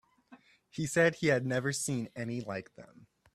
He said he had never seen any like them.